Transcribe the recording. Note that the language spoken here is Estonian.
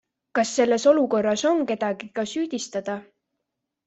Kas selles olukorras on kedagi ka süüdistada?